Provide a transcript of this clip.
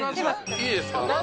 いいですか。